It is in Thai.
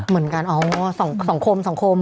เหมือนกันอ๋อสังคม